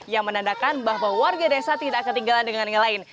yang menandakan bahwa warga desa tidak ketinggalan dengan yang lain